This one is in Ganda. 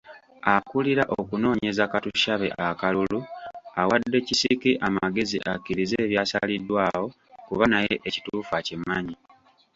Akulira okunoonyeza Katushabe akalulu awadde Kisiki amagezi akkirize ebyasaliddwawo kuba naye ekituufu akimanyi.